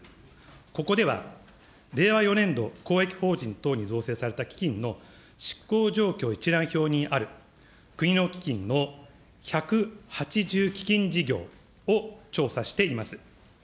ここでは、令和４年度公益法人等に造成された基金の執行状況一覧表にある、国の基金の１８０基金事業を調査しています。